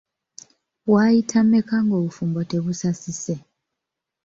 Wayita mmeka ng'obufumbo tebusasise?